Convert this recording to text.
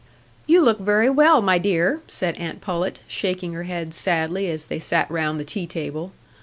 "You look very well, my dear," said aunt Pullet, shaking her head sadly, as they sat round the tea table.